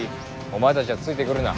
お前たちはついてくるな。